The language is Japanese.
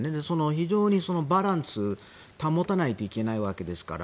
非常にバランスを保たないといけないわけですから。